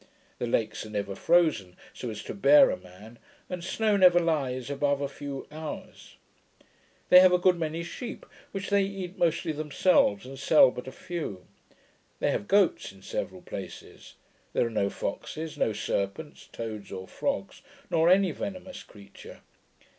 The lakes are never frozen so as to bear a man; and snow never lies above a few hours. They have a good many sheep, which they eat mostly themselves, and sell but a few. They have goats in several places. There are no foxes; no serpents, toads, or frogs, nor any venomous creature.